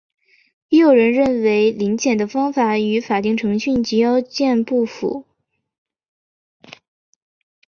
亦有人认为临检的方式与法定程序及要件不符。